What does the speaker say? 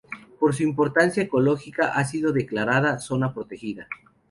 Por su importancia ecológica ha sido declarada zona protegida.